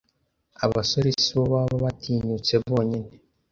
Abasore sibo baba batinyutse bonyine